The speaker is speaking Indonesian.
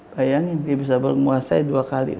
bayangin dia bisa menguasai dua kali